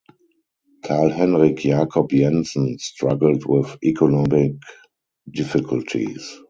Carl Henrik Jacob Jensen struggled with economic difficulties.